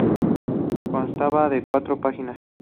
Constaba de cuatro páginas.